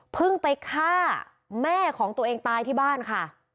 ไปฆ่าแม่ของตัวเองตายที่บ้านค่ะ